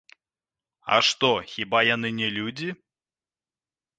А што, хіба яны не людзі?